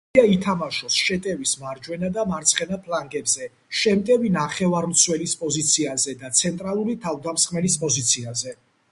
შეუძლია ითამაშოს შეტევის მარჯვენა და მარცხენა ფლანგებზე, შემტევი ნახევარმცველის პოზიციაზე და ცენტრალური თავდამსხმელის პოზიციაზე.